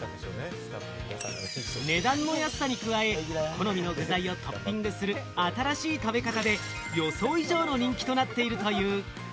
値段の安さに加え、好みの具材をトッピングする新しい食べ方で予想以上の人気となっているという。